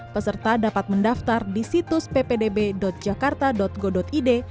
peserta dapat mendaftar di situs ppdb jakarta go id